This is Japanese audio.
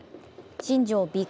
新庄